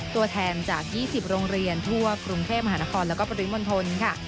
ตัวแทนจาก๒๐โรงเรียนทั่วกรุงเทพมหานครแล้วก็ปริมณฑลค่ะ